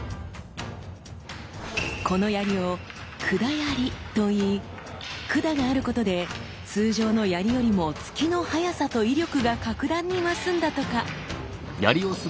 この槍を「管槍」と言い管があることで通常の槍よりも突きの速さと威力が格段に増すんだとか。